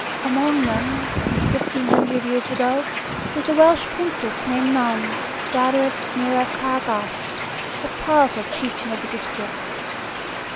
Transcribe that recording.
Among them, some fifteen hundred years ago, was a Welsh Princess named Non, daughter of Cynyr of Caer Gawch, a powerful chieftain of the district.